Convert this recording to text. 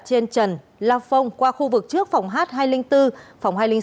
trên trần lao phông qua khu vực trước phòng h hai trăm linh bốn phòng hai trăm linh sáu